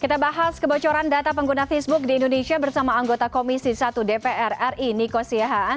kita bahas kebocoran data pengguna facebook di indonesia bersama anggota komisi satu dpr ri niko siahaan